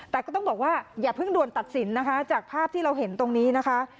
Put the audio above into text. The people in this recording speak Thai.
แต่ก็ต้องบอกว่าอย่าเพิ่งด่วนตัดสินนะคะจากภาพที่เราเห็นตรงนี้นะคะ